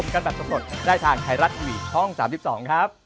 ครับ